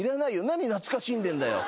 何懐かしんでんだよ？